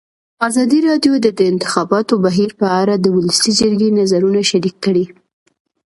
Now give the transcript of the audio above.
ازادي راډیو د د انتخاباتو بهیر په اړه د ولسي جرګې نظرونه شریک کړي.